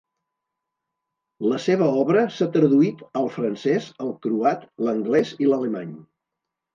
La seva obra s'ha traduït al francès, el croat, l'anglès i l'alemany.